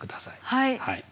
はい。